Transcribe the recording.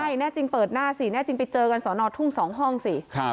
ใช่แน่จริงเปิดหน้าสิแน่จริงไปเจอกันสอนอทุ่ง๒ห้องสิ